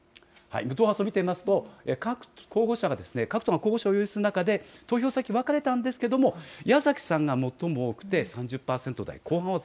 無党派層を見てみますと、各党の候補者が擁する中で、投票先、分かれたんですけれども、矢崎さんが最も多くて、３０％台後半と。